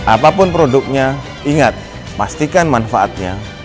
apapun produknya ingat pastikan manfaatnya